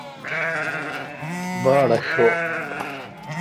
باڑاشوب۔